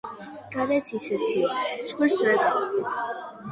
გარეთ ისე ცივა, ცხვირს ვერ გაყოფ